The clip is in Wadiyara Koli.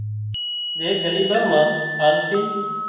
زي ڳريٻان مان آلتي